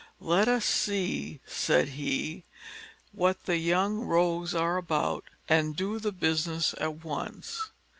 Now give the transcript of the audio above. "Let us see," said he, "what the young rogues are about, and do the business at once!"